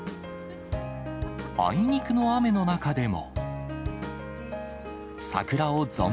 あいにくの雨の中でも。